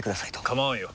構わんよ。